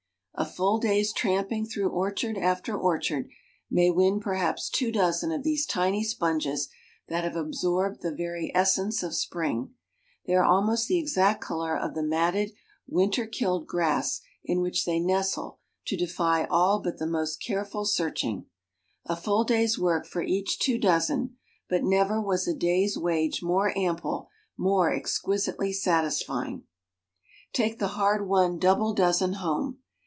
A full day's tramping through orchard after orchard may win perhaps two dozen of these tiny sponges that have absorbed the very essence of spring. They are al most the exact color of the matted, winter killed grass in which they nestle to defy all but the most careful search ing. A full day's work for each two dozen, but never was a day's wage more ample, more exquisitely satis fying. WRITTEN FOR MEN BY MEN Take the hard won double dozen home.